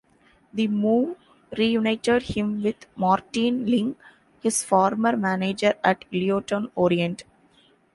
The move re-united him with Martin Ling, his former manager at Leyton Orient.